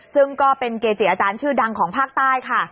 ซึ่งก็เป็นเกจิอาจารย์ชื่อดังของภาคใต้ค่ะ